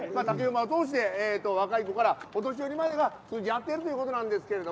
竹馬を通して若い子からお年寄りまでがやっているということですが。